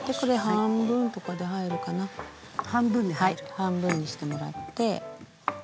半分にしてもらって。